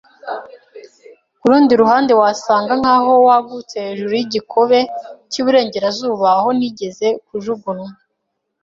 kurundi ruhande, wasaga nkaho wagutse hejuru yikigobe cyiburengerazuba aho nigeze kujugunya